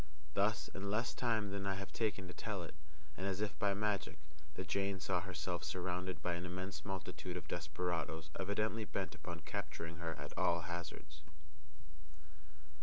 Thus, in less time than I have taken to tell it, and as if by magic, the Jane saw herself surrounded by an immense multitude of desperadoes evidently bent upon capturing her at all hazards.